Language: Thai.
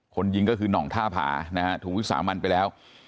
คนยิงก็คือหน่องท่าผานะฮะถูกวิสามันไปแล้ว